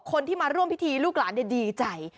คนที่มาร่วมพิธีลูกหลานดีใจ